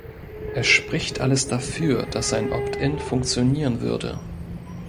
Es spricht alles dafür, dass ein Opt-in funktionieren würde.